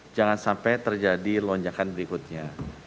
jangan sampai terjadi lonjakan berikutnya